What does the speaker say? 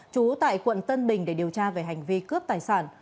trú tại quận tân bình để điều tra về hành vi cướp tài sản